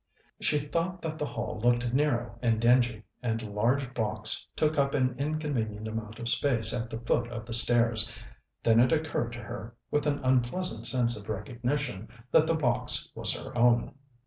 She thought that the hall looked narrow and dingy, and a large box took up an inconvenient amount of space at the foot of the stairs. Then it occurred to her, with an unpleasant sense of recognition, that the box was her own.